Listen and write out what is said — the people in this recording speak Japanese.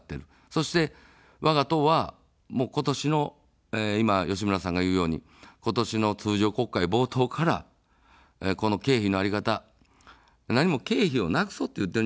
そして、わが党は今年の、いま吉村さんが言うように今年の通常国会冒頭からこの経費の在り方、何も経費をなくそうと言っているわけではないんです。